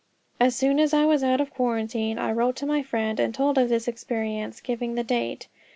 As soon as I was out of quarantine I wrote to my friend and told of this experience, giving the date.